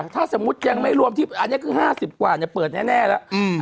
ถ้าสมมุติยังไม่รวมอันนี้ก็๕๐กว่าเนี่ยเปิดแน่แล้ว